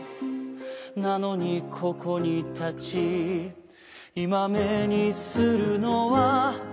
「なのにここにたちいまめにするのは」